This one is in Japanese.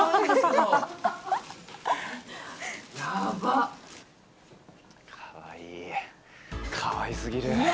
かわいい、かわいすぎる。